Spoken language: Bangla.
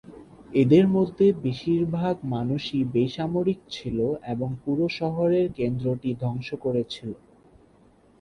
এদের মধ্যে বেশিরভাগ মানুষই বেসামরিক ছিল এবং পুরো শহরের কেন্দ্রটি ধ্বংস করেছিল।